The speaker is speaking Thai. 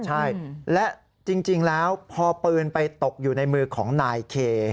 ใช่และจริงแล้วพอปืนไปตกอยู่ในมือของนายเค